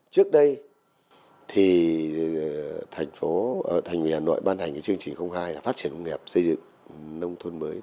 trước đây thành phố hà nội ban hành chương trình hai là phát triển nông nghiệp xây dựng nông thôn mới